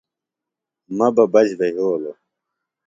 مہ بہ بچ بھےۡ یھولوۡ